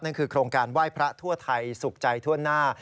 โครงการไหว้พระทั่วไทยสุขใจทั่วหน้า